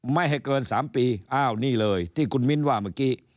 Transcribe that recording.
ไม่ให้เกิน๓ปีอ้าวนี่เลยที่คุณมิ้นว่าเมื่อกี้